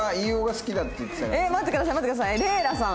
待ってください待ってくださいレイラさん